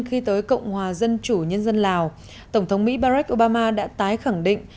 khi tới cộng hòa dân chủ nhân dân lào tổng thống mỹ barack obama đã tái khẳng định